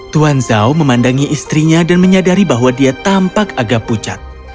tuan zhao memandangi istrinya dan menyadari bahwa dia tampak agak pucat